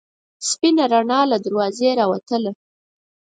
سپینه رڼا له دروازې راوتله.